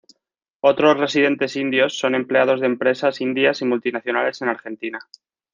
Otros residentes indios son empleados de empresas indias y multinacionales en Argentina.